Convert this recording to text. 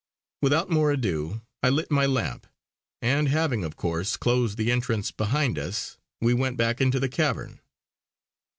Without more ado I lit my lamp, and having, of course, closed the entrance behind us, we went back into the cavern.